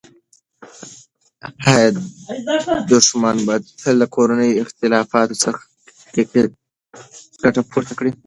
دښمن تل له کورنیو اختلافاتو څخه ګټه پورته کوي.